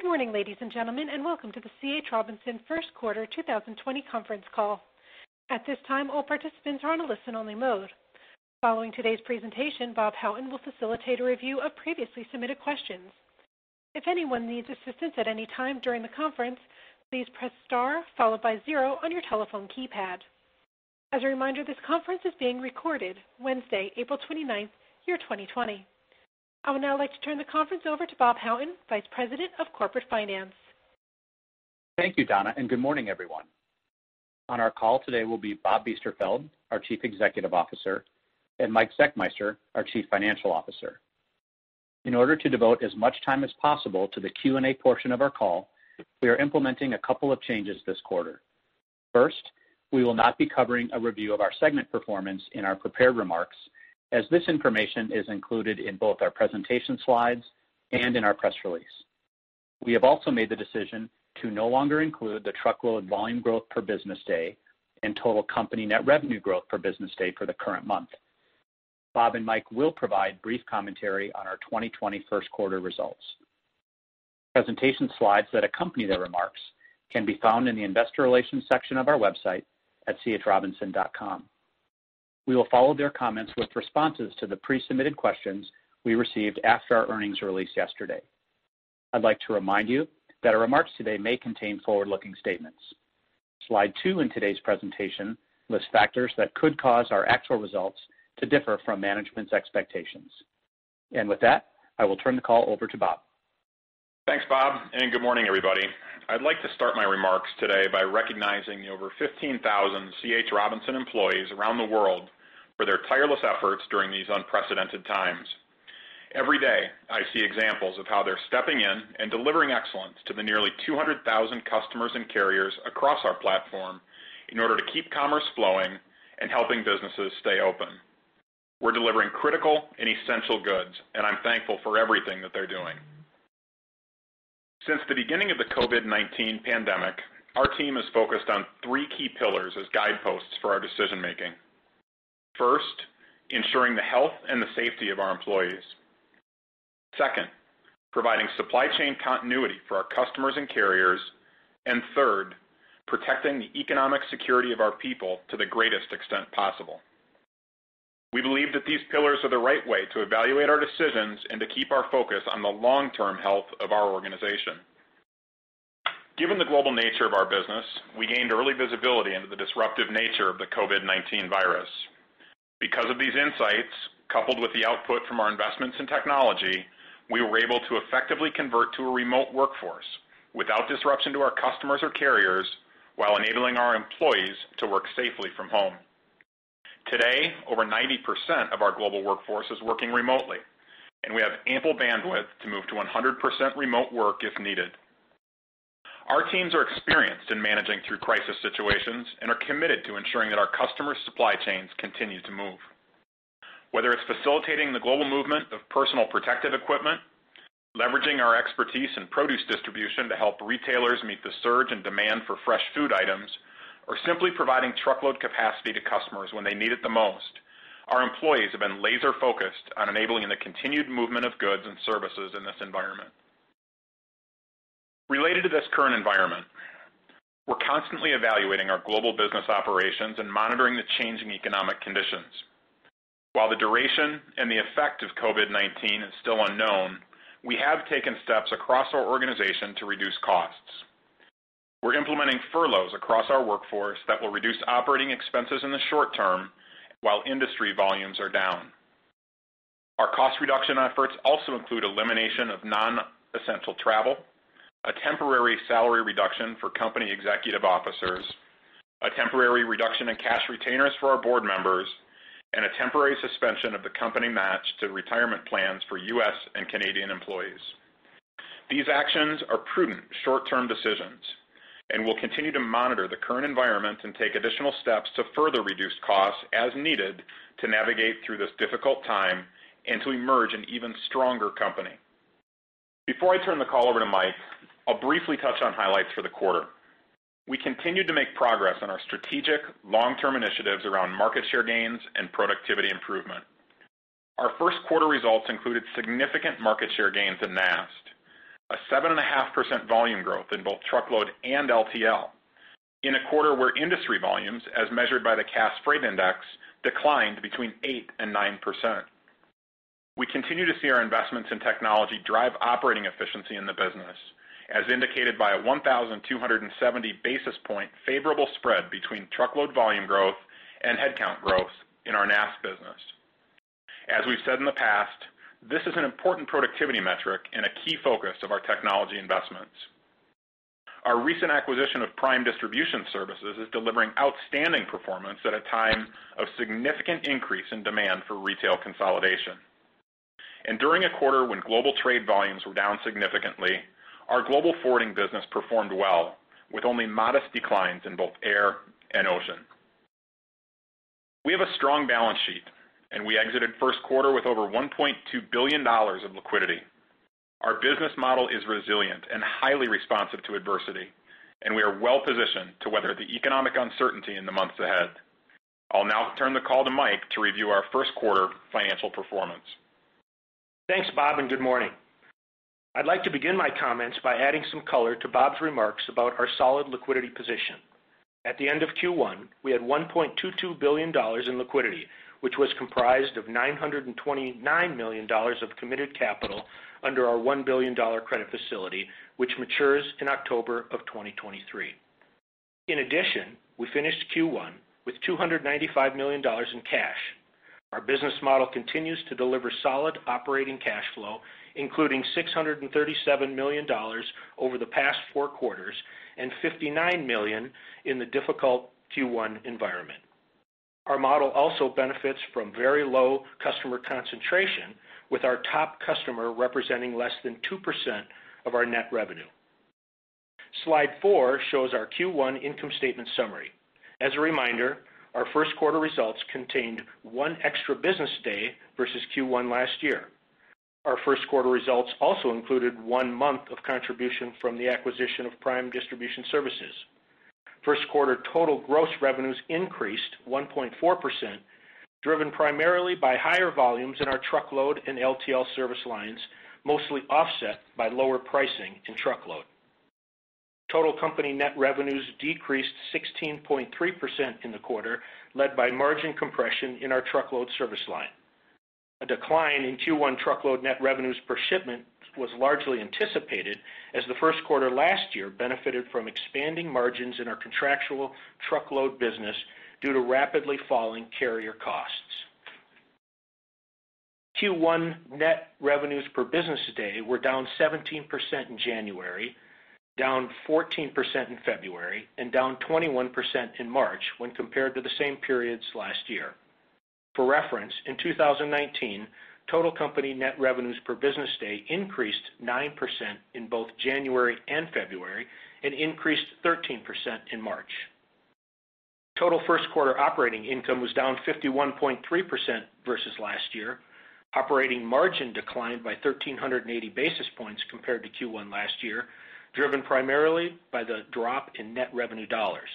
Good morning, ladies and gentlemen, and welcome to the C. H. Robinson first quarter 2020 conference call. At this time, all participants are on a listen-only mode. Following today's presentation, Bob Houghton will facilitate a review of previously submitted questions. If anyone needs assistance at any time during the conference, please press star followed by zero on your telephone keypad. As a reminder, this conference is being recorded Wednesday, April 29th, year 2020. I would now like to turn the conference over to Bob Houghton, vice president of corporate finance. Thank you, Donna, and good morning, everyone. On our call today will be Bob Biesterfeld, our Chief Executive Officer, and Mike Zechmeister, our Chief Financial Officer. In order to devote as much time as possible to the Q&A portion of our call, we are implementing a couple of changes this quarter. First, we will not be covering a review of our segment performance in our prepared remarks, as this information is included in both our presentation slides and in our press release. We have also made the decision to no longer include the truckload volume growth per business day and total company net revenue growth per business day for the current month. Bob and Mike will provide brief commentary on our 2020 first quarter results. Presentation slides that accompany their remarks can be found in the investor relations section of our website at chrobinson.com. We will follow their comments with responses to the pre-submitted questions we received after our earnings release yesterday. I'd like to remind you that our remarks today may contain forward-looking statements. Slide two in today's presentation lists factors that could cause our actual results to differ from management's expectations. With that, I will turn the call over to Bob. Thanks, Bob. Good morning, everybody. I'd like to start my remarks today by recognizing the over 15,000 C. H. Robinson employees around the world for their tireless efforts during these unprecedented times. Every day, I see examples of how they're stepping in and delivering excellence to the nearly 200,000 customers and carriers across our platform in order to keep commerce flowing and helping businesses stay open. We're delivering critical and essential goods, and I'm thankful for everything that they're doing. Since the beginning of the COVID-19 pandemic, our team has focused on three key pillars as guideposts for our decision making. First, ensuring the health and the safety of our employees. Second, providing supply chain continuity for our customers and carriers. Third, protecting the economic security of our people to the greatest extent possible. We believe that these pillars are the right way to evaluate our decisions and to keep our focus on the long-term health of our organization. Given the global nature of our business, we gained early visibility into the disruptive nature of the COVID-19 virus. Because of these insights, coupled with the output from our investments in technology, we were able to effectively convert to a remote workforce without disruption to our customers or carriers, while enabling our employees to work safely from home. Today, over 90% of our global workforce is working remotely, and we have ample bandwidth to move to 100% remote work if needed. Our teams are experienced in managing through crisis situations and are committed to ensuring that our customers' supply chains continue to move. Whether it's facilitating the global movement of personal protective equipment, leveraging our expertise in produce distribution to help retailers meet the surge in demand for fresh food items, or simply providing truckload capacity to customers when they need it the most, our employees have been laser-focused on enabling the continued movement of goods and services in this environment. Related to this current environment, we're constantly evaluating our global business operations and monitoring the changing economic conditions. While the duration and the effect of COVID-19 is still unknown, we have taken steps across our organization to reduce costs. We're implementing furloughs across our workforce that will reduce operating expenses in the short term while industry volumes are down. Our cost reduction efforts also include elimination of non-essential travel, a temporary salary reduction for company executive officers, a temporary reduction in cash retainers for our board members, and a temporary suspension of the company match to retirement plans for U.S. and Canadian employees. These actions are prudent short-term decisions, and we'll continue to monitor the current environment and take additional steps to further reduce costs as needed to navigate through this difficult time and to emerge an even stronger company. Before I turn the call over to Mike, I'll briefly touch on highlights for the quarter. We continued to make progress on our strategic long-term initiatives around market share gains and productivity improvement. Our first quarter results included significant market share gains in NAST, a 7.5% volume growth in both truckload and LTL in a quarter where industry volumes, as measured by the Cass Freight Index, declined between 8%-9%. We continue to see our investments in technology drive operating efficiency in the business, as indicated by a 1,270 basis point favorable spread between truckload volume growth and headcount growth in our NAST business. As we've said in the past, this is an important productivity metric and a key focus of our technology investments. Our recent acquisition of Prime Distribution Services is delivering outstanding performance at a time of significant increase in demand for retail consolidation. During a quarter when global trade volumes were down significantly, our global forwarding business performed well with only modest declines in both air and ocean. We have a strong balance sheet, and we exited first quarter with over $1.2 billion of liquidity. Our business model is resilient and highly responsive to adversity, and we are well positioned to weather the economic uncertainty in the months ahead. I'll now turn the call to Mike to review our first quarter financial performance. Thanks, Bob. Good morning. I'd like to begin my comments by adding some color to Bob's remarks about our solid liquidity position. At the end of Q1, we had $1.22 billion in liquidity, which was comprised of $929 million of committed capital under our $1 billion credit facility, which matures in October of 2023. In addition, we finished Q1 with $295 million in cash. Our business model continues to deliver solid operating cash flow, including $637 million over the past four quarters and $59 million in the difficult Q1 environment. Our model also benefits from very low customer concentration, with our top customer representing less than 2% of our net revenue. Slide four shows our Q1 income statement summary. As a reminder, our first quarter results contained one extra business day versus Q1 last year. Our first quarter results also included one month of contribution from the acquisition of Prime Distribution Services. First quarter total gross revenues increased 1.4%, driven primarily by higher volumes in our truckload and LTL service lines, mostly offset by lower pricing in truckload. Total company net revenues decreased 16.3% in the quarter, led by margin compression in our truckload service line. A decline in Q1 truckload net revenues per shipment was largely anticipated as the first quarter last year benefited from expanding margins in our contractual truckload business due to rapidly falling carrier costs. Q1 net revenues per business day were down 17% in January, down 14% in February, and down 21% in March when compared to the same periods last year. For reference, in 2019, total company net revenues per business day increased 9% in both January and February and increased 13% in March. Total first quarter operating income was down 51.3% versus last year. Operating margin declined by 1,380 basis points compared to Q1 last year, driven primarily by the drop in net revenue dollars.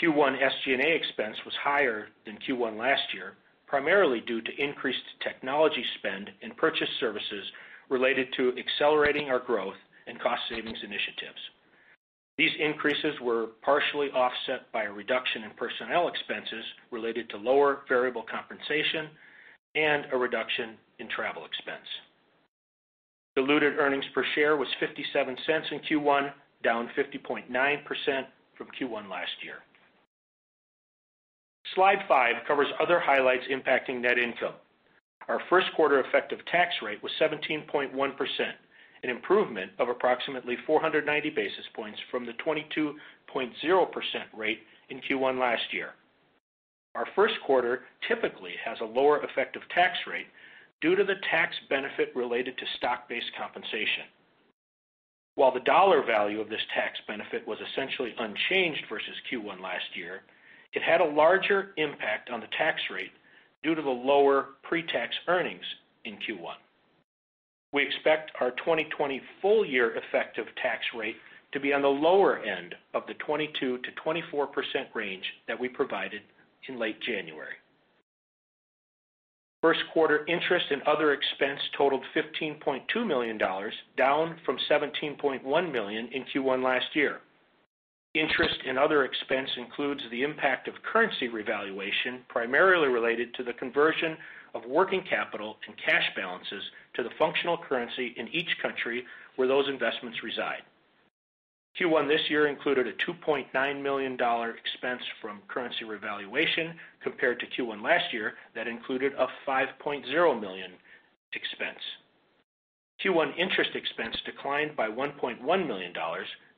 Q1 SG&A expense was higher than Q1 last year, primarily due to increased technology spend and purchase services related to accelerating our growth and cost savings initiatives. These increases were partially offset by a reduction in personnel expenses related to lower variable compensation and a reduction in travel expense. Diluted earnings per share was $0.57 in Q1, down 50.9% from Q1 last year. Slide five covers other highlights impacting net income. Our first quarter effective tax rate was 17.1%, an improvement of approximately 490 basis points from the 22.0% rate in Q1 last year. Our first quarter typically has a lower effective tax rate due to the tax benefit related to stock-based compensation. While the dollar value of this tax benefit was essentially unchanged versus Q1 last year, it had a larger impact on the tax rate due to the lower pre-tax earnings in Q1. We expect our 2020 full year effective tax rate to be on the lower end of the 22%-24% range that we provided in late January. First quarter interest and other expense totaled $15.2 million, down from $17.1 million in Q1 last year. Interest and other expense includes the impact of currency revaluation, primarily related to the conversion of working capital and cash balances to the functional currency in each country where those investments reside. Q1 this year included a $2.9 million expense from currency revaluation compared to Q1 last year that included a $5.0 million expense. Q1 interest expense declined by $1.1 million,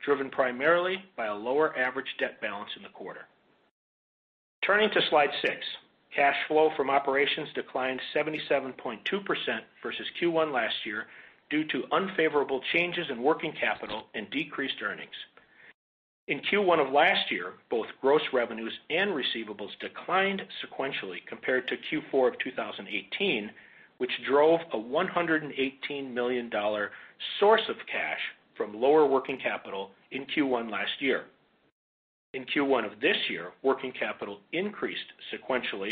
driven primarily by a lower average debt balance in the quarter. Turning to slide six, cash flow from operations declined 77.2% versus Q1 last year due to unfavorable changes in working capital and decreased earnings. In Q1 of last year, both gross revenues and receivables declined sequentially compared to Q4 of 2018, which drove a $118 million source of cash from lower working capital in Q1 last year. In Q1 of this year, working capital increased sequentially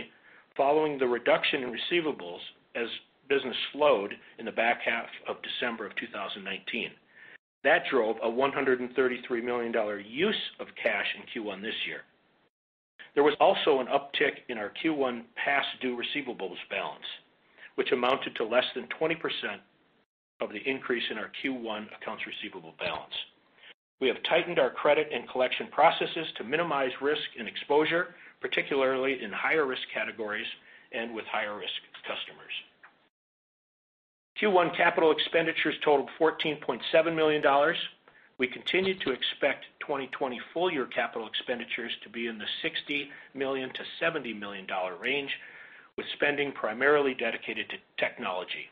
following the reduction in receivables as business slowed in the back half of December of 2019. That drove a $133 million use of cash in Q1 this year. There was also an uptick in our Q1 past due receivables balance, which amounted to less than 20% of the increase in our Q1 accounts receivable balance. We have tightened our credit and collection processes to minimize risk and exposure, particularly in higher risk categories and with higher risk customers. Q1 capital expenditures totaled $14.7 million. We continue to expect 2020 full year capital expenditures to be in the $60 million-$70 million range, with spending primarily dedicated to technology.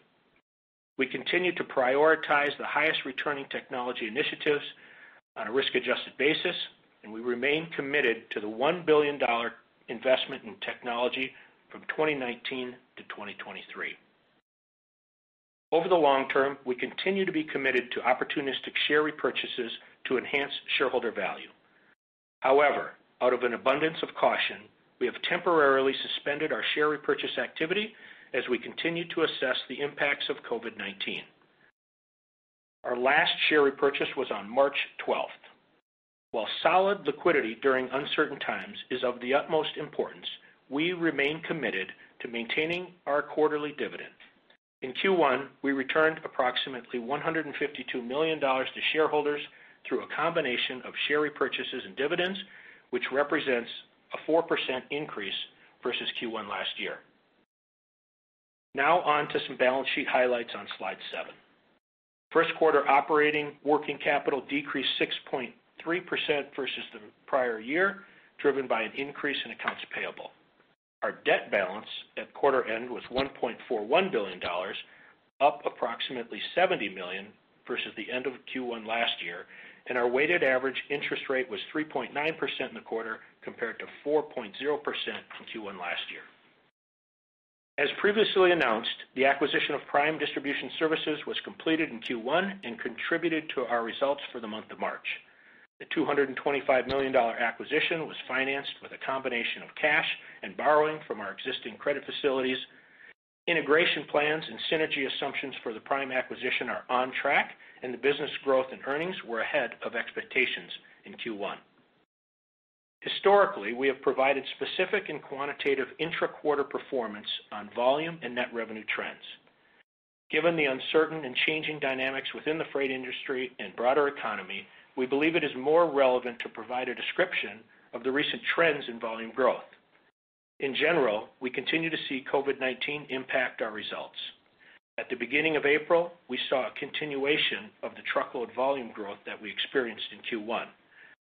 We continue to prioritize the highest returning technology initiatives on a risk-adjusted basis, and we remain committed to the $1 billion investment in technology from 2019-2023. Over the long term, we continue to be committed to opportunistic share repurchases to enhance shareholder value. However, out of an abundance of caution, we have temporarily suspended our share repurchase activity as we continue to assess the impacts of COVID-19. Our last share repurchase was on March 12th. While solid liquidity during uncertain times is of the utmost importance, we remain committed to maintaining our quarterly dividend. In Q1, we returned approximately $152 million to shareholders through a combination of share repurchases and dividends, which represents a 4% increase versus Q1 last year. Now on to some balance sheet highlights on slide seven. First quarter operating working capital decreased 6.3% versus the prior year, driven by an increase in accounts payable. Our debt balance at quarter end was $1.41 billion, up approximately 70 million versus the end of Q1 last year, and our weighted average interest rate was 3.9% in the quarter, compared to 4.0% in Q1 last year. As previously announced, the acquisition of Prime Distribution Services was completed in Q1 and contributed to our results for the month of March. The $225 million acquisition was financed with a combination of cash and borrowing from our existing credit facilities. Integration plans and synergy assumptions for the Prime acquisition are on track, and the business growth and earnings were ahead of expectations in Q1. Historically, we have provided specific and quantitative intra-quarter performance on volume and net revenue trends. Given the uncertain and changing dynamics within the freight industry and broader economy, we believe it is more relevant to provide a description of the recent trends in volume growth. In general, we continue to see COVID-19 impact our results. At the beginning of April, we saw a continuation of the truckload volume growth that we experienced in Q1.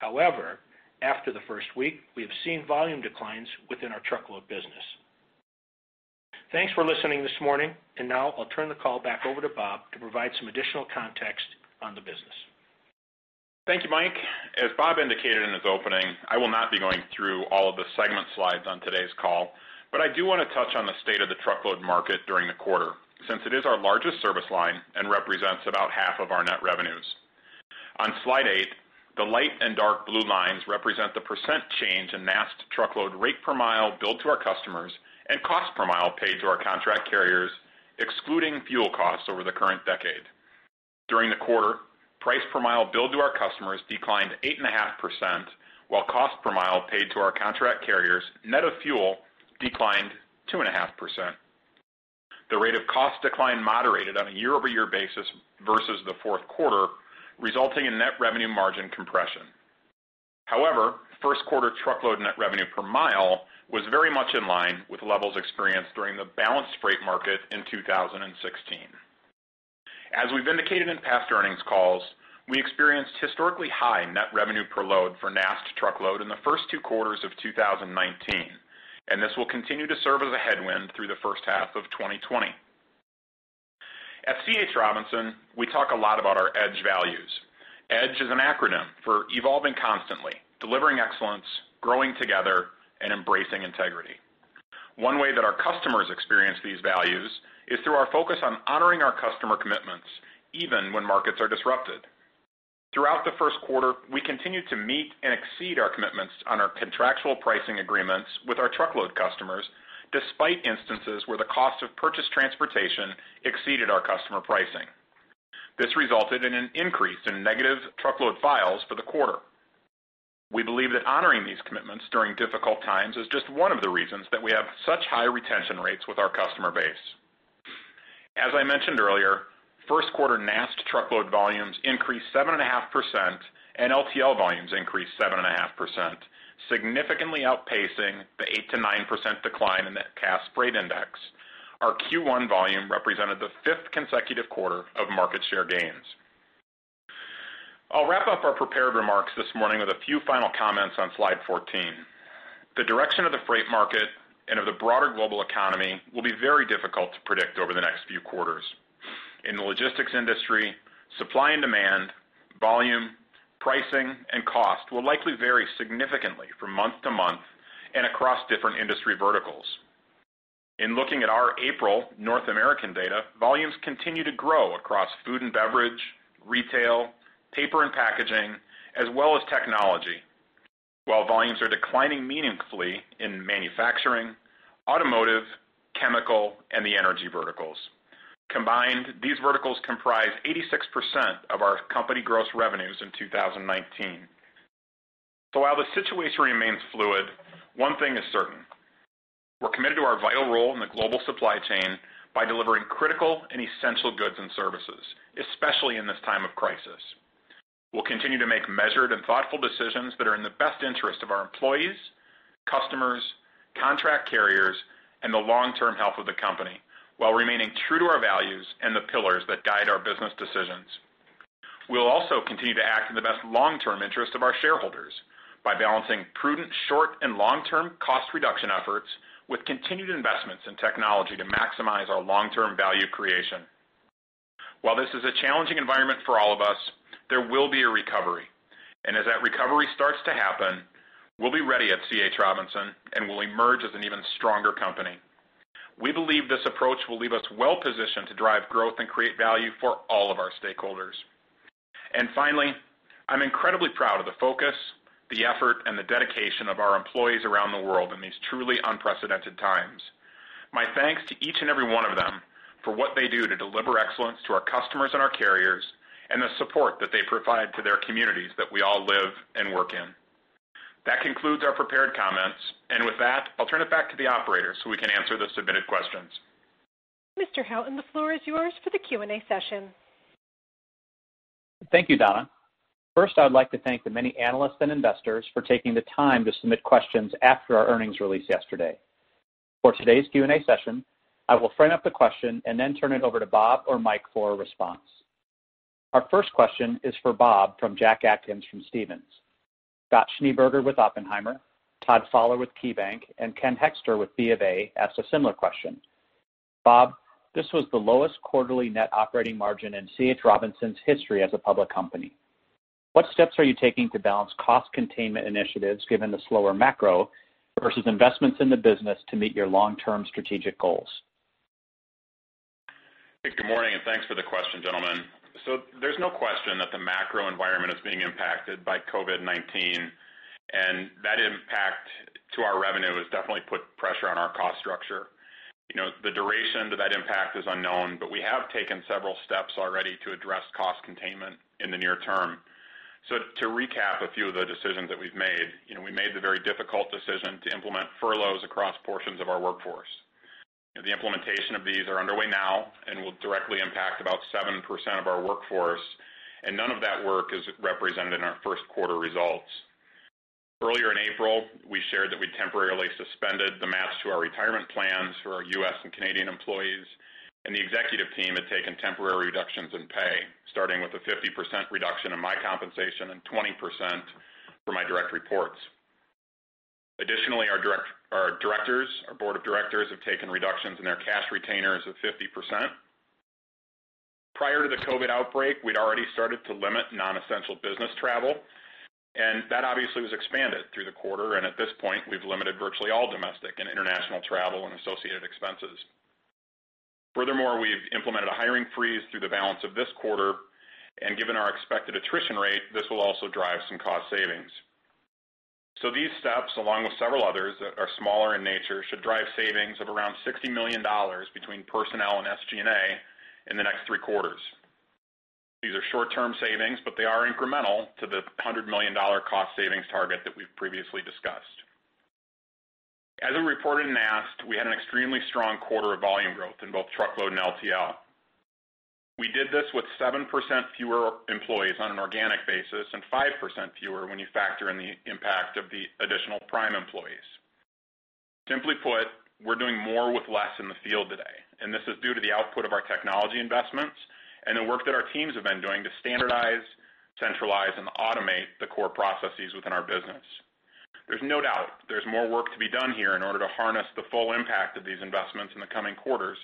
However, after the first week, we have seen volume declines within our truckload business. Thanks for listening this morning, and now I'll turn the call back over to Bob to provide some additional context on the business. Thank you, Mike. As Bob indicated in his opening, I will not be going through all of the segment slides on today's call, but I do want to touch on the state of the truckload market during the quarter, since it is our largest service line and represents about half of our net revenues. On slide eight, the light and dark blue lines represent the percent change in NAST truckload rate per mile billed to our customers and cost per mile paid to our contract carriers, excluding fuel costs over the current decade. During the quarter, price per mile billed to our customers declined 8.5%, while cost per mile paid to our contract carriers, net of fuel, declined 2.5%. The rate of cost decline moderated on a year-over-year basis versus the fourth quarter, resulting in net revenue margin compression. However, first quarter truckload net revenue per mile was very much in line with levels experienced during the balanced freight market in 2016. As we've indicated in past earnings calls, we experienced historically high net revenue per load for NAST truckload in the first two quarters of 2019, and this will continue to serve as a headwind through the first half of 2020. At C. H. Robinson, we talk a lot about our EDGE values. EDGE is an acronym for evolving constantly, delivering excellence, growing together, and embracing integrity. One way that our customers experience these values is through our focus on honoring our customer commitments even when markets are disrupted. Throughout the first quarter, we continued to meet and exceed our commitments on our contractual pricing agreements with our truckload customers, despite instances where the cost of purchased transportation exceeded our customer pricing. This resulted in an increase in negative truckload files for the quarter. We believe that honoring these commitments during difficult times is just one of the reasons that we have such high retention rates with our customer base. As I mentioned earlier, first quarter NAST truckload volumes increased 7.5%, and LTL volumes increased 7.5%, significantly outpacing the 8%-9% decline in the Cass Freight Index. Our Q1 volume represented the fifth consecutive quarter of market share gains. I'll wrap up our prepared remarks this morning with a few final comments on slide 14. The direction of the freight market and of the broader global economy will be very difficult to predict over the next few quarters. In the logistics industry, supply and demand, volume, pricing, and cost will likely vary significantly from month to month and across different industry verticals. In looking at our April North American data, volumes continue to grow across food and beverage, retail, paper and packaging, as well as technology. While volumes are declining meaningfully in manufacturing, automotive, chemical, and the energy verticals. Combined, these verticals comprise 86% of our company gross revenues in 2019. While the situation remains fluid, one thing is certain. We're committed to our vital role in the global supply chain by delivering critical and essential goods and services, especially in this time of crisis. We'll continue to make measured and thoughtful decisions that are in the best interest of our employees, customers, contract carriers, and the long-term health of the company while remaining true to our values and the pillars that guide our business decisions. We'll also continue to act in the best long-term interest of our shareholders by balancing prudent short- and long-term cost reduction efforts with continued investments in technology to maximize our long-term value creation. While this is a challenging environment for all of us, there will be a recovery. As that recovery starts to happen, we'll be ready at C.H. Robinson, and we'll emerge as an even stronger company. We believe this approach will leave us well-positioned to drive growth and create value for all of our stakeholders. Finally, I'm incredibly proud of the focus, the effort, and the dedication of our employees around the world in these truly unprecedented times. My thanks to each and every one of them for what they do to deliver excellence to our customers and our carriers, and the support that they provide to their communities that we all live and work in. That concludes our prepared comments. With that, I'll turn it back to the operator so we can answer the submitted questions. Mr. Houghton, the floor is yours for the Q&A session. Thank you, Donna. First, I would like to thank the many analysts and investors for taking the time to submit questions after our earnings release yesterday. For today's Q&A session, I will frame up the question and then turn it over to Bob or Mike for a response. Our first question is for Bob from Jack Atkins from Stephens. Scott Schneeberger with Oppenheimer, Todd Fowler with KeyBank, and Ken Hoexter with Bank of America asked a similar question. Bob, this was the lowest quarterly net operating margin in C. H. Robinson's history as a public company. What steps are you taking to balance cost containment initiatives given the slower macro, versus investments in the business to meet your long-term strategic goals? Good morning, and thanks for the question, gentlemen. There's no question that the macro environment is being impacted by COVID-19, and that impact to our revenue has definitely put pressure on our cost structure. The duration to that impact is unknown, but we have taken several steps already to address cost containment in the near term. To recap a few of the decisions that we've made, we made the very difficult decision to implement furloughs across portions of our workforce. The implementation of these are underway now and will directly impact about 7% of our workforce, and none of that work is represented in our first quarter results. Earlier in April, we shared that we temporarily suspended the match to our retirement plans for our U.S. and Canadian employees. The executive team had taken temporary reductions in pay, starting with a 50% reduction in my compensation and 20% for my direct reports. Additionally, our board of directors have taken reductions in their cash retainers of 50%. Prior to the COVID-19 outbreak, we'd already started to limit non-essential business travel. That obviously was expanded through the quarter. At this point, we've limited virtually all domestic and international travel and associated expenses. Furthermore, we've implemented a hiring freeze through the balance of this quarter. Given our expected attrition rate, this will also drive some cost savings. These steps, along with several others that are smaller in nature, should drive savings of around $60 million between personnel and SG&A in the next three quarters. These are short-term savings, but they are incremental to the $100 million cost savings target that we've previously discussed. As we reported in NAST, we had an extremely strong quarter of volume growth in both truckload and LTL. We did this with 7% fewer employees on an organic basis and 5% fewer when you factor in the impact of the additional Prime employees. Simply put, we're doing more with less in the field today, and this is due to the output of our technology investments and the work that our teams have been doing to standardize, centralize, and automate the core processes within our business. There's no doubt there's more work to be done here in order to harness the full impact of these investments in the coming quarters,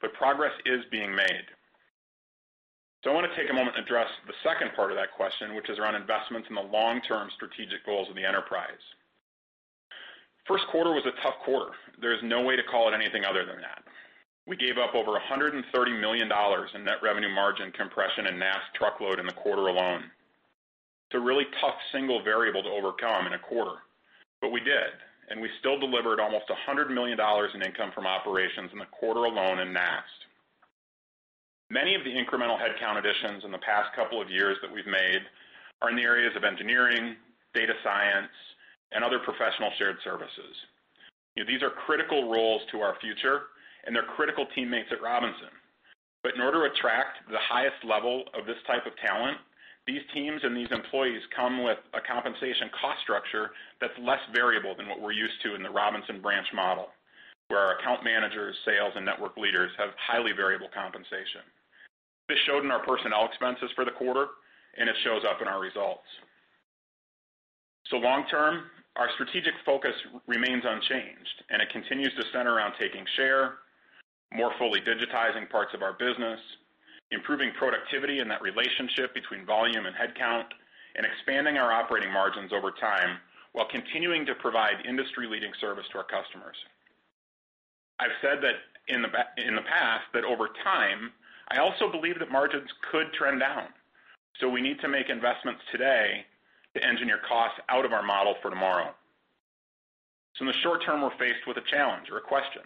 but progress is being made. I want to take a moment and address the second part of that question, which is around investments in the long-term strategic goals of the enterprise. First quarter was a tough quarter. There's no way to call it anything other than that. We gave up over $130 million in net revenue margin compression in NAST truckload in the quarter alone. It's a really tough single variable to overcome in a quarter, but we did, and we still delivered almost $100 million in income from operations in the quarter alone in NAST. Many of the incremental headcount additions in the past couple of years that we've made are in the areas of engineering, data science, and other professional shared services. These are critical roles to our future, and they're critical teammates at C. H. Robinson. In order to attract the highest level of this type of talent, these teams and these employees come with a compensation cost structure that's less variable than what we're used to in the C. H. Robinson branch model, where our account managers, sales, and network leaders have highly variable compensation. This showed in our personnel expenses for the quarter, and it shows up in our results. Long term, our strategic focus remains unchanged, and it continues to center around taking share, more fully digitizing parts of our business, improving productivity in that relationship between volume and headcount, and expanding our operating margins over time while continuing to provide industry-leading service to our customers. I've said that in the past, that over time, I also believe that margins could trend down. We need to make investments today to engineer costs out of our model for tomorrow. In the short term, we're faced with a challenge or a question.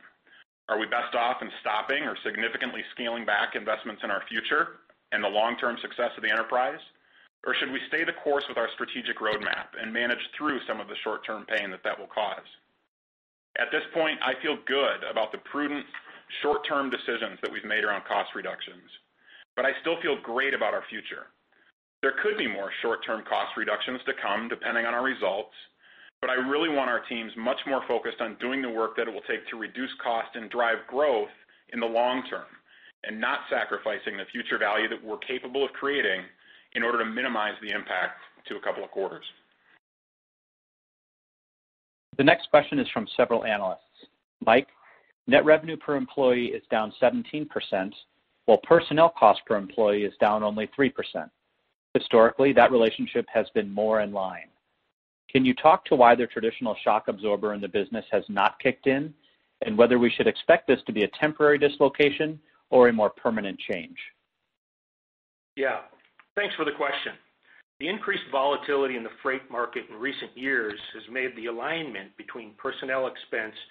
Are we best off in stopping or significantly scaling back investments in our future and the long-term success of the enterprise? Should we stay the course with our strategic roadmap and manage through some of the short-term pain that that will cause? At this point, I feel good about the prudent short-term decisions that we've made around cost reductions, but I still feel great about our future. There could be more short-term cost reductions to come, depending on our results. I really want our teams much more focused on doing the work that it will take to reduce cost and drive growth in the long term and not sacrificing the future value that we're capable of creating in order to minimize the impact to a couple of quarters. The next question is from several analysts. Mike, net revenue per employee is down 17%, while personnel cost per employee is down only 3%. Historically, that relationship has been more in line. Can you talk to why their traditional shock absorber in the business has not kicked in, and whether we should expect this to be a temporary dislocation or a more permanent change? Yeah. Thanks for the question. The increased volatility in the freight market in recent years has made the alignment between personnel expense and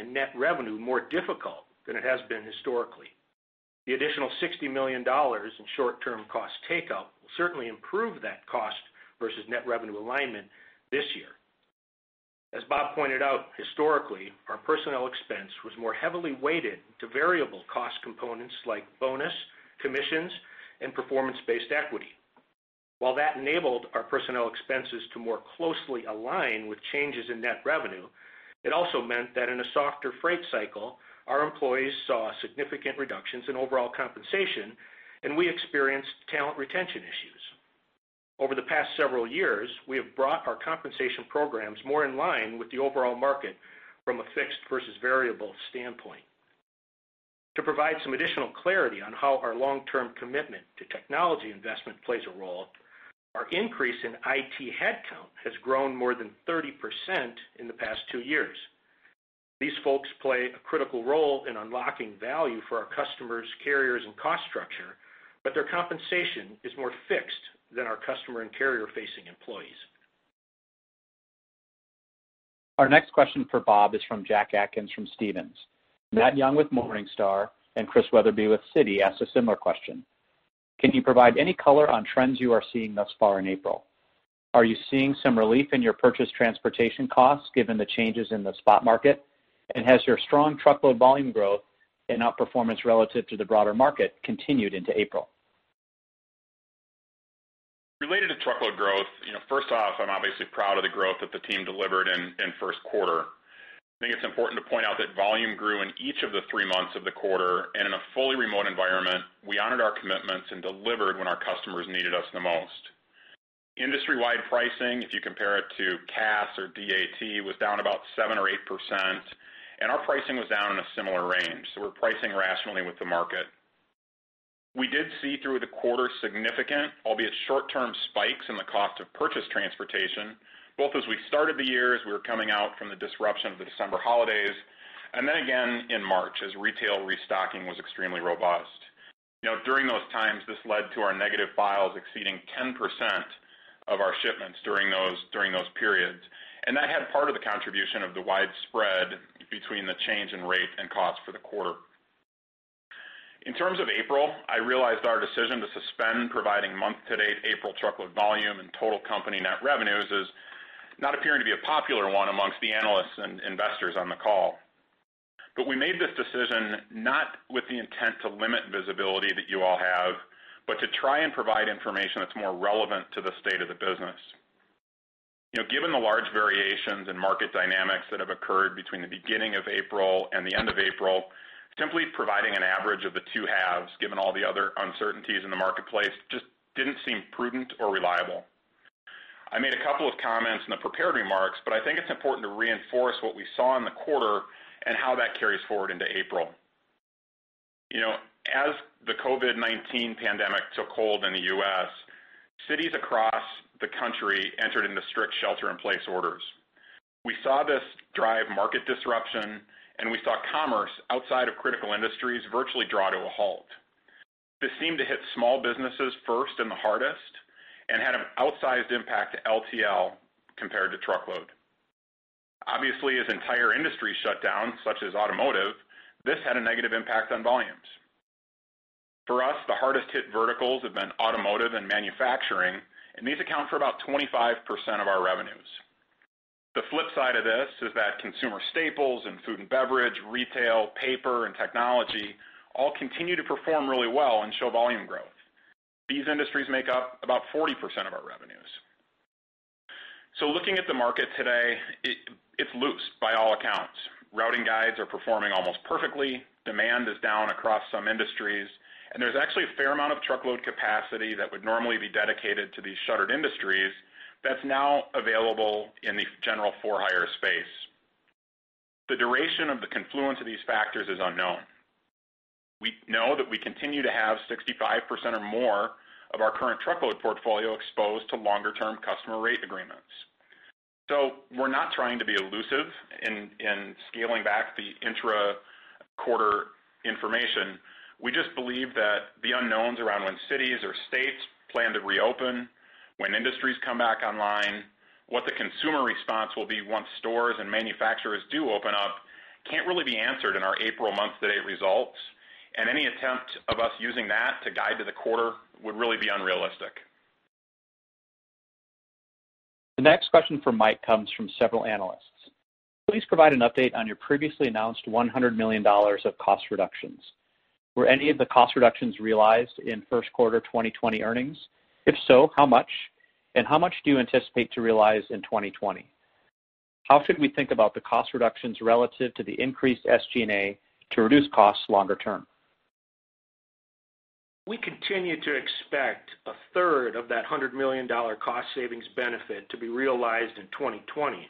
net revenue more difficult than it has been historically. The additional $60 million in short-term cost take-up will certainly improve that cost versus net revenue alignment this year. As Bob pointed out, historically, our personnel expense was more heavily weighted to variable cost components like bonus, commissions, and performance-based equity. While that enabled our personnel expenses to more closely align with changes in net revenue, it also meant that in a softer freight cycle, our employees saw significant reductions in overall compensation, and we experienced talent retention issues. Over the past several years, we have brought our compensation programs more in line with the overall market from a fixed versus variable standpoint. To provide some additional clarity on how our long-term commitment to technology investment plays a role, our increase in IT headcount has grown more than 30% in the past two years. These folks play a critical role in unlocking value for our customers, carriers, and cost structure, but their compensation is more fixed than our customer and carrier-facing employees. Our next question for Bob is from Jack Atkins from Stephens. Matthew Young with Morningstar and Christian Wetherbee with Citi asked a similar question. Can you provide any color on trends you are seeing thus far in April? Are you seeing some relief in your purchase transportation costs given the changes in the spot market? Has your strong truckload volume growth and outperformance relative to the broader market continued into April? Related to truckload growth, first off, I'm obviously proud of the growth that the team delivered in first quarter. I think it's important to point out that volume grew in each of the three months of the quarter, and in a fully remote environment, we honored our commitments and delivered when our customers needed us the most. Industry-wide pricing, if you compare it to Cass or DAT, was down about 7% or 8%, and our pricing was down in a similar range. We're pricing rationally with the market. We did see through the quarter significant, albeit short-term spikes in the cost of purchase transportation, both as we started the year, as we were coming out from the disruption of the December holidays, and then again in March as retail restocking was extremely robust. During those times, this led to our negative files exceeding 10% of our shipments during those periods. That had part of the contribution of the widespread between the change in rate and cost for the quarter. In terms of April, I realized our decision to suspend providing month-to-date April truckload volume and total company net revenues is not appearing to be a popular one amongst the analysts and investors on the call. We made this decision not with the intent to limit visibility that you all have, but to try and provide information that's more relevant to the state of the business. Given the large variations in market dynamics that have occurred between the beginning of April and the end of April, simply providing an average of the two halves, given all the other uncertainties in the marketplace, just didn't seem prudent or reliable. I made a couple of comments in the prepared remarks, but I think it's important to reinforce what we saw in the quarter and how that carries forward into April. As the COVID-19 pandemic took hold in the U.S., cities across the country entered into strict shelter in place orders. We saw this drive market disruption, and we saw commerce outside of critical industries virtually draw to a halt. This seemed to hit small businesses first and the hardest and had an outsized impact to LTL compared to truckload. Obviously, as entire industries shut down, such as automotive, this had a negative impact on volumes. For us, the hardest hit verticals have been automotive and manufacturing, and these account for about 25% of our revenues. The flip side of this is that consumer staples and food and beverage, retail, paper, and technology all continue to perform really well and show volume growth. These industries make up about 40% of our revenues. Looking at the market today, it's loose by all accounts. Routing guides are performing almost perfectly. Demand is down across some industries, and there's actually a fair amount of truckload capacity that would normally be dedicated to these shuttered industries that's now available in the general for-hire space. The duration of the confluence of these factors is unknown. We know that we continue to have 65% or more of our current truckload portfolio exposed to longer-term customer rate agreements. We're not trying to be elusive in scaling back the intra-quarter information. We just believe that the unknowns around when cities or states plan to reopen, when industries come back online, what the consumer response will be once stores and manufacturers do open up can't really be answered in our April month-to-date results, and any attempt of us using that to guide to the quarter would really be unrealistic. The next question for Mike comes from several analysts. Please provide an update on your previously announced $100 million of cost reductions. Were any of the cost reductions realized in first quarter 2020 earnings? If so, how much? How much do you anticipate to realize in 2020? How should we think about the cost reductions relative to the increased SG&A to reduce costs longer term? We continue to expect a third of that $100 million cost savings benefit to be realized in 2020,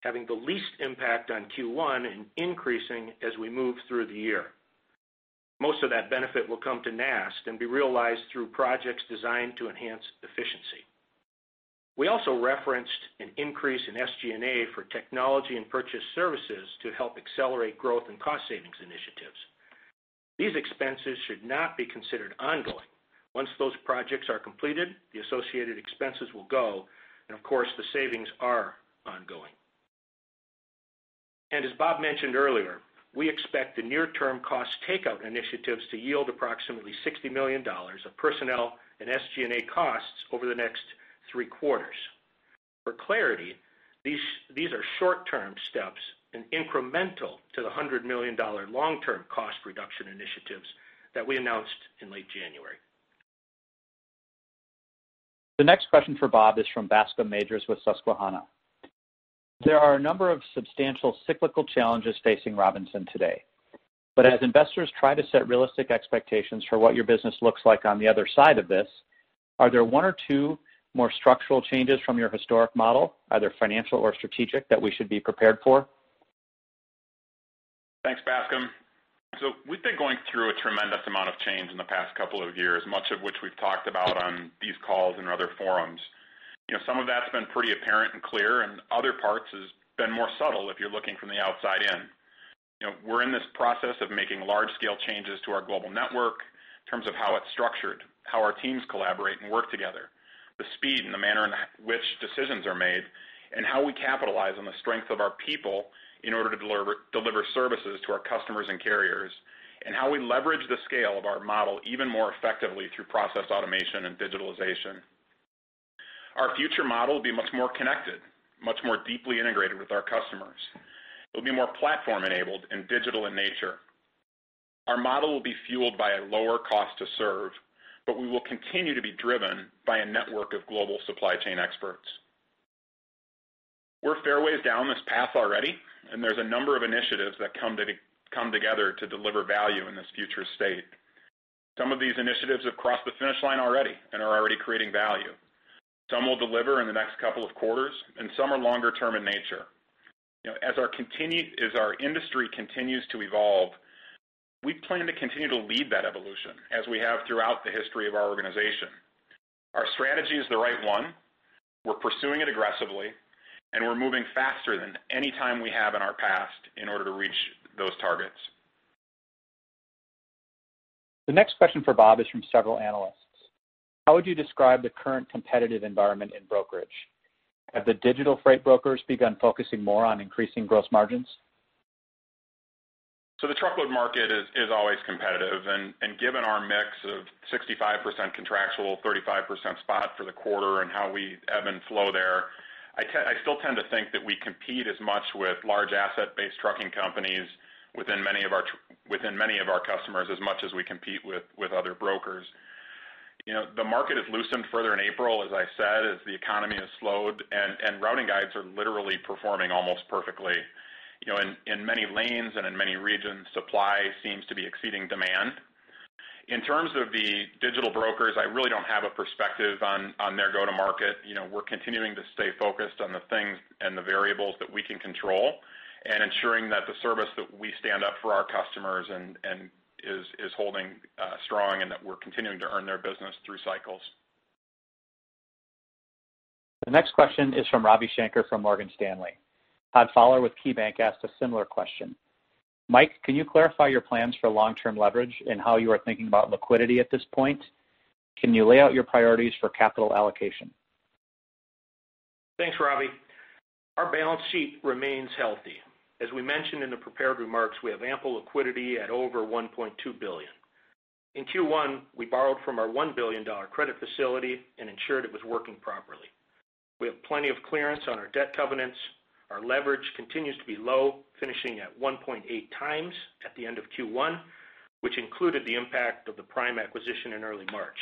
having the least impact on Q1 and increasing as we move through the year. Most of that benefit will come to NAST and be realized through projects designed to enhance efficiency. We also referenced an increase in SG&A for technology and purchase services to help accelerate growth and cost savings initiatives. These expenses should not be considered ongoing. Once those projects are completed, the associated expenses will go, and of course, the savings are ongoing. As Bob mentioned earlier, we expect the near-term cost takeout initiatives to yield approximately $60 million of personnel and SG&A costs over the next three quarters. For clarity, these are short-term steps and incremental to the $100 million long-term cost reduction initiatives that we announced in late January. The next question for Bob is from Bascome Majors with Susquehanna. as investors try to set realistic expectations for what your business looks like on the other side of this, are there one or two more structural changes from your historic model, either financial or strategic, that we should be prepared for? Thanks, Bascom. We've been going through a tremendous amount of change in the past couple of years, much of which we've talked about on these calls and other forums. Some of that's been pretty apparent and clear, and other parts has been more subtle if you're looking from the outside in. We're in this process of making large-scale changes to our global network in terms of how it's structured, how our teams collaborate and work together, the speed and the manner in which decisions are made, and how we capitalize on the strength of our people in order to deliver services to our customers and carriers, and how we leverage the scale of our model even more effectively through process automation and digitalization. Our future model will be much more connected, much more deeply integrated with our customers. It'll be more platform-enabled and digital in nature. Our model will be fueled by a lower cost to serve, but we will continue to be driven by a network of global supply chain experts. We're fair ways down this path already, and there's a number of initiatives that come together to deliver value in this future state. Some of these initiatives have crossed the finish line already and are already creating value. Some will deliver in the next couple of quarters, and some are longer term in nature. As our industry continues to evolve, we plan to continue to lead that evolution, as we have throughout the history of our organization. Our strategy is the right one, we're pursuing it aggressively, and we're moving faster than any time we have in our past in order to reach those targets. The next question for Bob is from several analysts. How would you describe the current competitive environment in brokerage? Have the digital freight brokers begun focusing more on increasing gross margins? The truckload market is always competitive, and given our mix of 65% contractual, 35% spot for the quarter and how we ebb and flow there, I still tend to think that we compete as much with large asset-based trucking companies within many of our customers, as much as we compete with other brokers. The market has loosened further in April, as I said, as the economy has slowed, and routing guides are literally performing almost perfectly. In many lanes and in many regions, supply seems to be exceeding demand. In terms of the digital brokers, I really don't have a perspective on their go to market. We're continuing to stay focused on the things and the variables that we can control and ensuring that the service that we stand up for our customers is holding strong and that we're continuing to earn their business through cycles. The next question is from Ravi Shanker from Morgan Stanley. Todd Fowler with KeyBank asked a similar question. Mike, can you clarify your plans for long-term leverage and how you are thinking about liquidity at this point? Can you lay out your priorities for capital allocation? Thanks, Ravi. Our balance sheet remains healthy. As we mentioned in the prepared remarks, we have ample liquidity at over $1.2 billion. In Q1, we borrowed from our $1 billion credit facility and ensured it was working properly. We have plenty of clearance on our debt covenants. Our leverage continues to be low, finishing at 1.8x at the end of Q1, which included the impact of the Prime acquisition in early March.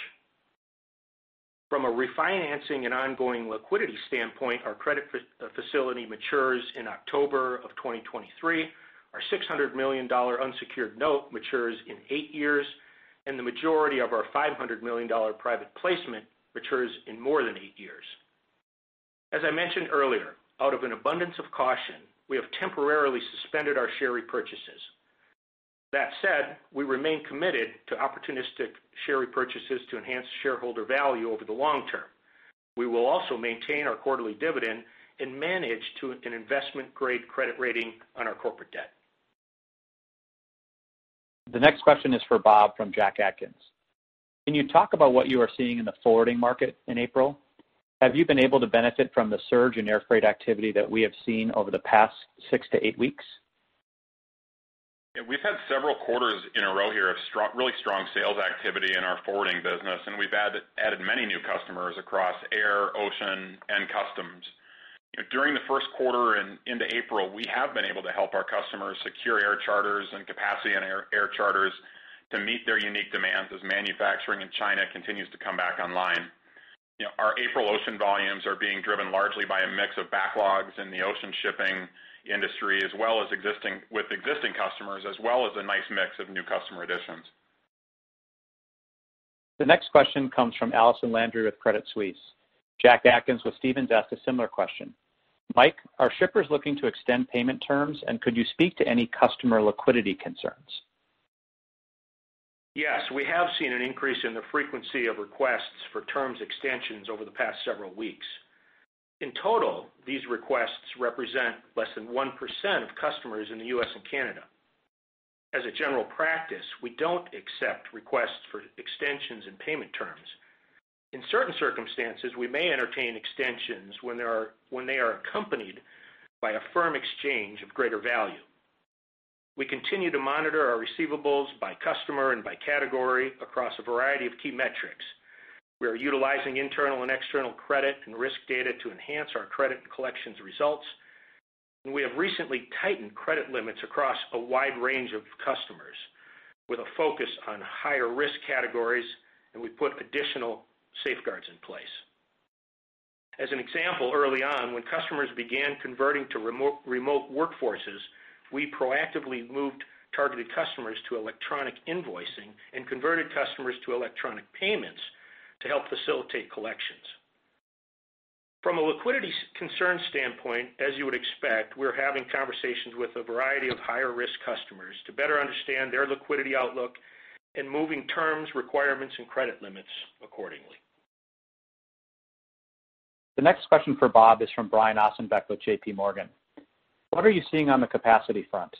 From a refinancing and ongoing liquidity standpoint, our credit facility matures in October of 2023, our $600 million unsecured note matures in eight years, and the majority of our $500 million private placement matures in more than eight years. As I mentioned earlier, out of an abundance of caution, we have temporarily suspended our share repurchases. That said, we remain committed to opportunistic share repurchases to enhance shareholder value over the long term. We will also maintain our quarterly dividend and manage to an investment-grade credit rating on our corporate debt. The next question is for Bob from Jack Atkins. Can you talk about what you are seeing in the forwarding market in April? Have you been able to benefit from the surge in air freight activity that we have seen over the past six weeks to eight weeks? Yeah. We've had several quarters in a row here of really strong sales activity in our forwarding business, and we've added many new customers across air, ocean, and customs. During the first quarter and into April, we have been able to help our customers secure air charters and capacity in air charters to meet their unique demands as manufacturing in China continues to come back online. Our April ocean volumes are being driven largely by a mix of backlogs in the ocean shipping industry, as well as with existing customers, as well as a nice mix of new customer additions. The next question comes from Allison Landry with Credit Suisse. Jack Atkins with Stephens asked a similar question. Mike, are shippers looking to extend payment terms and could you speak to any customer liquidity concerns? Yes. We have seen an increase in the frequency of requests for terms extensions over the past several weeks. In total, these requests represent less than 1% of customers in the U.S. and Canada. As a general practice, we don't accept requests for extensions and payment terms. In certain circumstances, we may entertain extensions when they are accompanied by a firm exchange of greater value. We continue to monitor our receivables by customer and by category across a variety of key metrics. We are utilizing internal and external credit and risk data to enhance our credit and collections results, and we have recently tightened credit limits across a wide range of customers with a focus on higher risk categories, and we put additional safeguards in place. As an example, early on, when customers began converting to remote workforces, we proactively moved targeted customers to electronic invoicing and converted customers to electronic payments to help facilitate collections. From a liquidity concern standpoint, as you would expect, we're having conversations with a variety of higher risk customers to better understand their liquidity outlook and moving terms, requirements, and credit limits accordingly. The next question for Bob is from Brian Ossenbeck with JPMorgan. What are you seeing on the capacity front?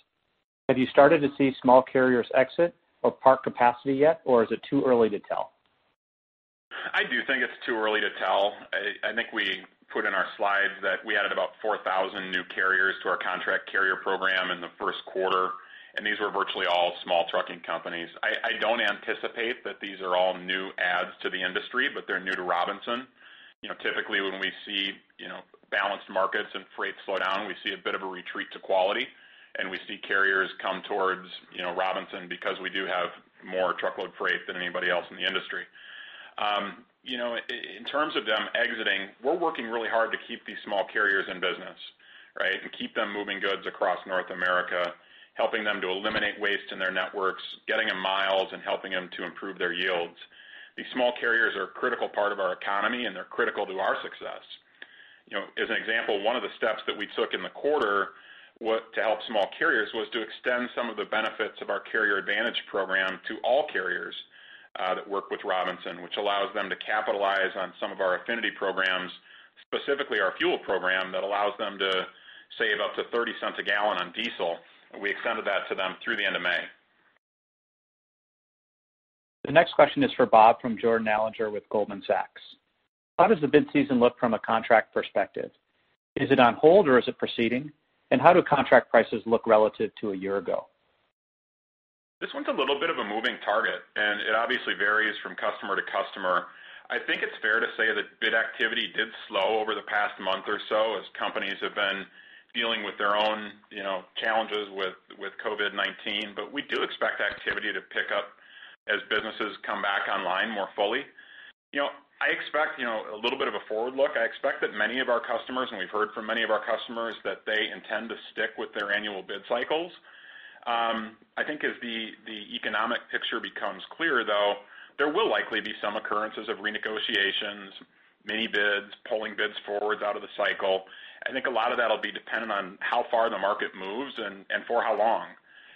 Have you started to see small carriers exit or park capacity yet, or is it too early to tell? I do think it's too early to tell. I think we put in our slides that we added about 4,000 new carriers to our contract carrier program in the first quarter, and these were virtually all small trucking companies. I don't anticipate that these are all new adds to the industry, but they're new to C. H. Robinson. Typically, when we see balanced markets and freight slow down, we see a bit of a retreat to quality, and we see carriers come towards C. H. Robinson because we do have more truckload freight than anybody else in the industry. In terms of them exiting, we're working really hard to keep these small carriers in business, right? Keep them moving goods across North America, helping them to eliminate waste in their networks, getting them miles, and helping them to improve their yields. These small carriers are a critical part of our economy, and they're critical to our success. As an example, one of the steps that we took in the quarter to help small carriers was to extend some of the benefits of our Carrier Advantage Program to all carriers that work with C. H. Robinson, which allows them to capitalize on some of our affinity programs, specifically our fuel program, that allows them to save up to $0.30 a gallon on diesel. We extended that to them through the end of May. The next question is for Bob from Jordan Alliger with Goldman Sachs. How does the bid season look from a contract perspective? Is it on hold or is it proceeding? How do contract prices look relative to a year ago? This one's a little bit of a moving target, and it obviously varies from customer to customer. I think it's fair to say that bid activity did slow over the past month or so as companies have been dealing with their own challenges with COVID-19. We do expect activity to pick up as businesses come back online more fully. I expect a little bit of a forward look. I expect that many of our customers, and we've heard from many of our customers that they intend to stick with their annual bid cycles. I think as the economic picture becomes clearer, though, there will likely be some occurrences of renegotiations, mini-bids, pulling bids forward out of the cycle. I think a lot of that will be dependent on how far the market moves and for how long.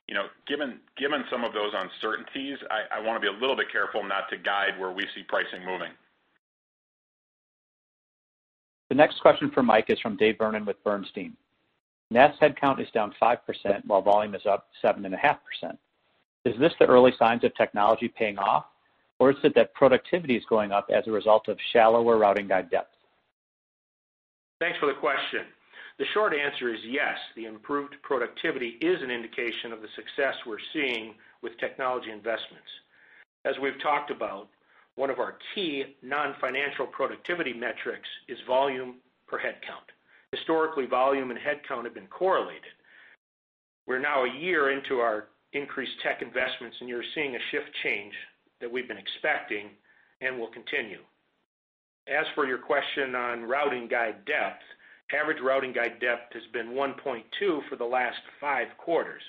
Given some of those uncertainties, I want to be a little bit careful not to guide where we see pricing moving. The next question for Mike is from David Vernon with Bernstein. NAST headcount is down 5% while volume is up 7.5%. Is this the early signs of technology paying off, or is it that productivity is going up as a result of shallower routing guide depth? Thanks for the question. The short answer is yes, the improved productivity is an indication of the success we're seeing with technology investments. As we've talked about, one of our key non-financial productivity metrics is volume per headcount. Historically, volume and headcount have been correlated. We're now a year into our increased tech investments, and you're seeing a shift change that we've been expecting and will continue. As for your question on routing guide depth, average routing guide depth has been 1.2 for the last five quarters.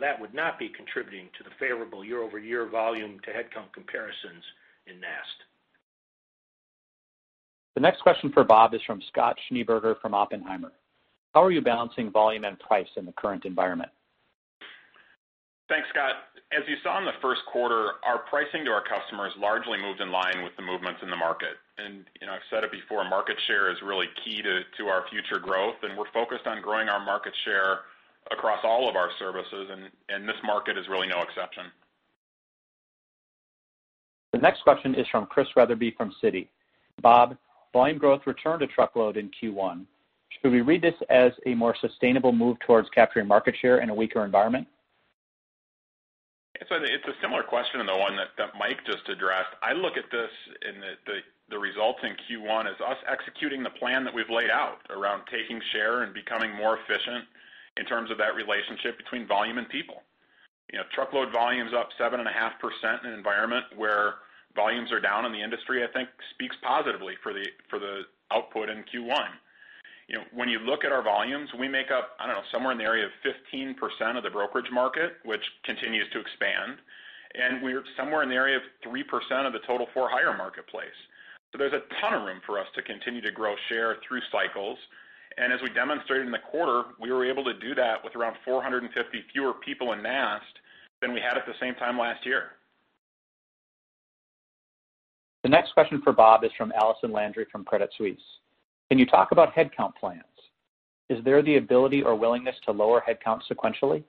That would not be contributing to the favorable year-over-year volume to headcount comparisons in NAST. The next question for Bob is from Scott Schneeberger from Oppenheimer. How are you balancing volume and price in the current environment? Thanks, Scott. As you saw in the first quarter, our pricing to our customers largely moved in line with the movements in the market. I've said it before, market share is really key to our future growth, and we're focused on growing our market share across all of our services. This market is really no exception. The next question is from Christian Wetherbee from Citi. Bob, volume growth returned to truckload in Q1. Should we read this as a more sustainable move towards capturing market share in a weaker environment? It's a similar question to the one that Mike just addressed. I look at this in the results in Q1 as us executing the plan that we've laid out around taking share and becoming more efficient in terms of that relationship between volume and people. Truckload volume's up 7.5% in an environment where volumes are down in the industry, I think speaks positively for the output in Q1. When you look at our volumes, we make up, I don't know, somewhere in the area of 15% of the brokerage market, which continues to expand, and we're somewhere in the area of 3% of the total for-hire marketplace. There's a ton of room for us to continue to grow share through cycles. As we demonstrated in the quarter, we were able to do that with around 450 fewer people in NAST than we had at the same time last year. The next question for Bob is from Allison Landry from Credit Suisse. Can you talk about headcount plans? Is there the ability or willingness to lower headcount sequentially?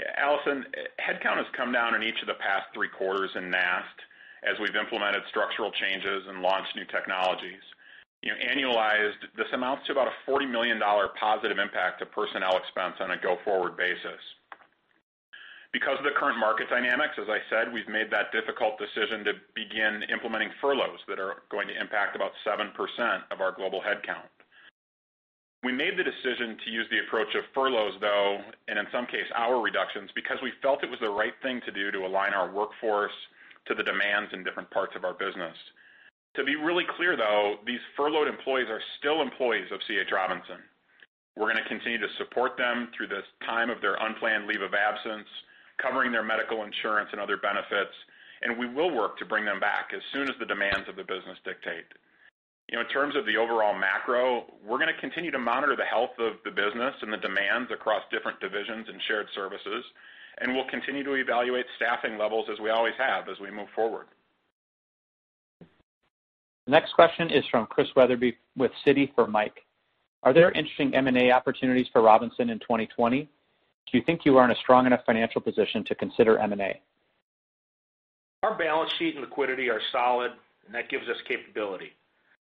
Yeah, Allison, headcount has come down in each of the past three quarters in NAST as we've implemented structural changes and launched new technologies. Annualized, this amounts to about a $40 million positive impact to personnel expense on a go-forward basis. Because of the current market dynamics, as I said, we've made that difficult decision to begin implementing furloughs that are going to impact about 7% of our global headcount. We made the decision to use the approach of furloughs, though, and in some case, hour reductions, because we felt it was the right thing to do to align our workforce to the demands in different parts of our business. To be really clear, though, these furloughed employees are still employees of C.H. Robinson. We're going to continue to support them through this time of their unplanned leave of absence, covering their medical insurance and other benefits, and we will work to bring them back as soon as the demands of the business dictate. In terms of the overall macro, we're going to continue to monitor the health of the business and the demands across different divisions and shared services, and we'll continue to evaluate staffing levels as we always have as we move forward. The next question is from Chris Wetherbee with Citi for Mike. Are there interesting M&A opportunities for C. H. Robinson in 2020? Do you think you are in a strong enough financial position to consider M&A? Our balance sheet and liquidity are solid, and that gives us capability.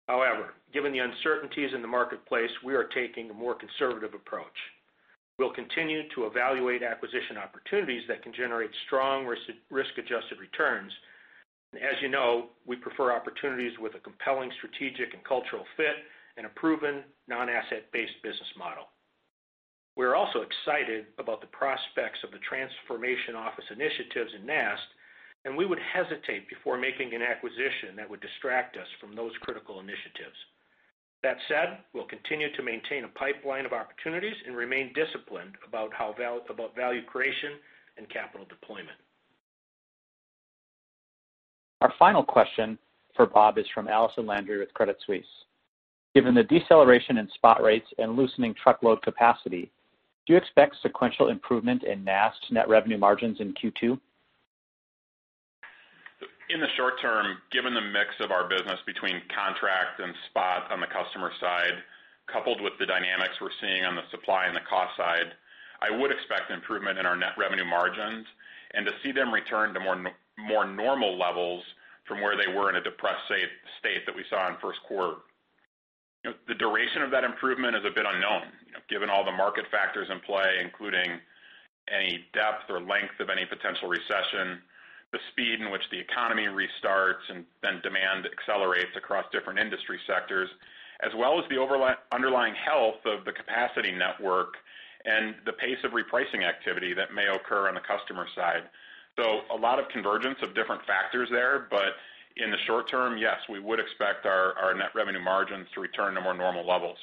However, given the uncertainties in the marketplace, we are taking a more conservative approach. We'll continue to evaluate acquisition opportunities that can generate strong risk-adjusted returns. As you know, we prefer opportunities with a compelling strategic and cultural fit and a proven non-asset-based business model. We're also excited about the prospects of the transformation office initiatives in NAST, and we would hesitate before making an acquisition that would distract us from those critical initiatives. That said, we'll continue to maintain a pipeline of opportunities and remain disciplined about value creation and capital deployment. Our final question for Bob is from Allison Landry with Credit Suisse. Given the deceleration in spot rates and loosening truckload capacity, do you expect sequential improvement in NAST's net revenue margins in Q2? In the short term, given the mix of our business between contract and spot on the customer side, coupled with the dynamics we're seeing on the supply and the cost side, I would expect improvement in our net revenue margins and to see them return to more normal levels from where they were in a depressed state that we saw in first quarter. The duration of that improvement is a bit unknown, given all the market factors in play, including any depth or length of any potential recession, the speed in which the economy restarts and then demand accelerates across different industry sectors, as well as the underlying health of the capacity network and the pace of repricing activity that may occur on the customer side. A lot of convergence of different factors there. In the short term, yes, we would expect our net revenue margins to return to more normal levels.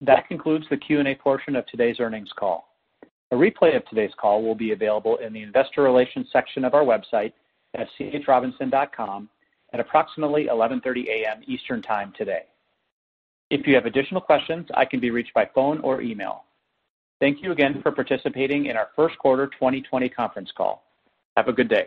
That concludes the Q&A portion of today's earnings call. A replay of today's call will be available in the investor relations section of our website at chrobinson.com at approximately 11:30 A.M. Eastern Time today. If you have additional questions, I can be reached by phone or email. Thank you again for participating in our first quarter 2020 conference call. Have a good day.